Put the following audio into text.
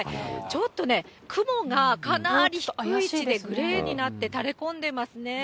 ちょっとね、雲がかなり低い位置でグレーになって、垂れこんでますね。